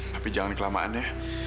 tapi jangan kelamaan ya